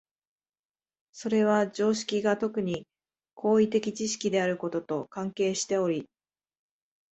それは常識が特に行為的知識であることと関係しており、